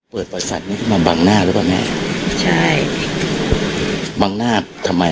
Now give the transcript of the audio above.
เปิดประสาทนี้มาบังหน้าหรือเปล่าแม่ใช่บังหน้าทำไมอ่ะ